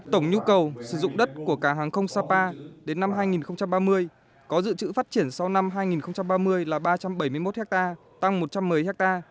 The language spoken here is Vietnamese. tổng nhu cầu sử dụng đất của cảng hàng không sapa đến năm hai nghìn ba mươi có dự trữ phát triển sau năm hai nghìn ba mươi là ba trăm bảy mươi một ha tăng một trăm một mươi ha